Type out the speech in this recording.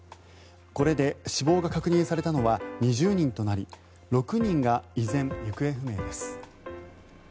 これで死亡が確認されたのは２０人となり６人が依然、行方不明です。